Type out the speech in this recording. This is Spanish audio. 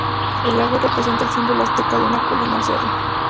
El logo representa el símbolo azteca de una colina o cerro.